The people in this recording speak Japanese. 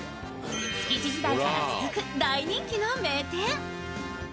築地時代から続く大人気の名店。